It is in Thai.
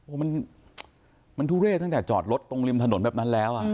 มันทุเร่ตั้งแต่จอดรถตรงริมถนนแบบนั้นแล้วอ่ะ